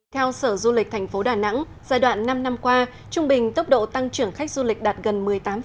theo sở du lịch thành phố đà nẵng giai đoạn năm năm qua trung bình tốc độ tăng trưởng khách du lịch đạt gần một mươi tám